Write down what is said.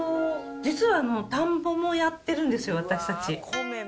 実は田んぼもやってるんですよ、私たち。